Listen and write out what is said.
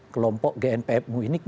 kelompok gnpf ini